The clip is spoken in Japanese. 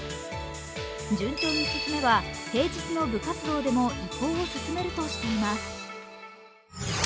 順調に進めば平日の部活動でも移行を進めるとしています。